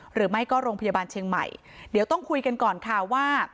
หรือไม่ก็โรงพยาบาลเชียงใหม่เดี๋ยวต้องคุยกันก่อนค่ะว่า